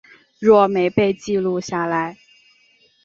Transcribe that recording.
若没被记录下来